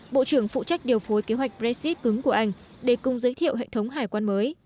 bộ trưởng phụ trách điều phối kế hoạch brexit cứng của anh để cùng giới thiệu hệ thống hải quan mới